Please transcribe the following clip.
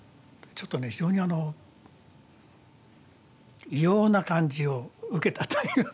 ちょっとね非常にあの異様な感じを受けたという。